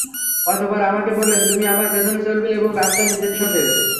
অতঃপর আমাকে বললেন, তুমি আমার পেছনে চলবে এবং রাস্তার নির্দেশনা দেবে।